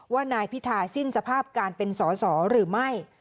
ว่านายพิธาสิ้นสภาพการเป็นสอสอหรือไม่